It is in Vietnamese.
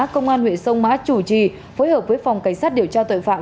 công an huyện sông mã chủ trì phối hợp với phòng cảnh sát điều tra tội phạm